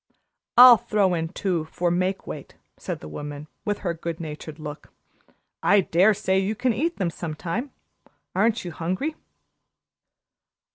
"I'll throw in two for make weight," said the woman, with her good natured look. "I dare say you can eat them some time. Aren't you hungry?"